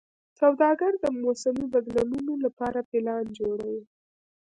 سوداګر د موسمي بدلونونو لپاره پلان جوړوي.